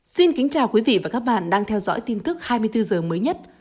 xin kính chào quý vị và các bạn đang theo dõi tin tức hai mươi bốn h mới nhất